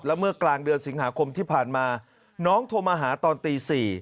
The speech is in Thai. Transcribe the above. เมื่อกลางเดือนสิงหาคมที่ผ่านมาน้องโทรมาหาตอนตี๔